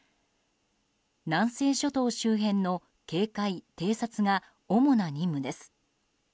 南西諸島周辺の警戒・偵察が主な任務です。